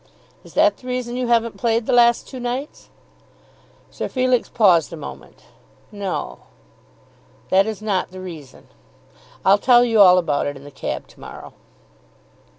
"Is that the reason you haven't played the last two nights?" Sir Felix paused a moment. "No; that is not the reason. I'll tell you all about it in the cab to morrow."